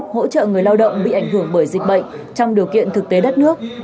hỗ trợ người lao động bị ảnh hưởng bởi dịch bệnh trong điều kiện thực tế đất nước